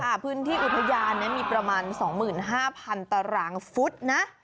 พื้นที่อุทยานมีประมาณ๒๕๐๐๐ตารางฟุตนะ